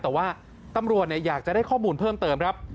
แต่ว่าตำรวจอยากจะได้ข้อมูลเพิ่มเติมครับ